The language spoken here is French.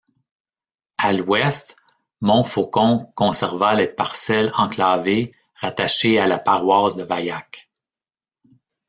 À l'ouest, Montfaucon conserva les parcelles enclavées rattachées à la paroisse de Vaillac.